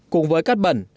cùng với cát bẩn